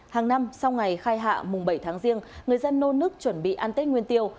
hàng năm sau ngày khai hạ mùng bảy tháng riêng người dân nôn nước chuẩn bị ăn tết nguyên tiêu